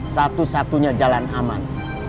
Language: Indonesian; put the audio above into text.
satu satunya jalan aman